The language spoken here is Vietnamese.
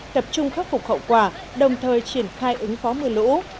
tập trung khắc phục hậu quả đồng thời triển khai ứng phó mưa lũ